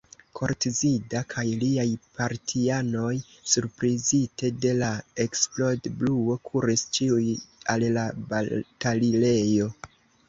Koltzida kaj liaj partianoj, surprizite de la eksplodbruo, kuris ĉiuj al la batalilejo.